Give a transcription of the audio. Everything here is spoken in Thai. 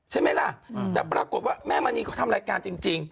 ใช่ไหมล่ะแต่ปรากฏว่าแม่มณีเขาทำรายการจริง